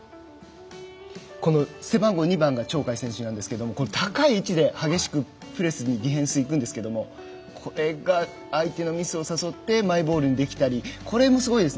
この背番号２番が鳥海選手なんですが高い位置で激しくプレスにディフェンスいくんですけれどこれが相手のミスを誘ってマイボールにできたりこれもすごいです。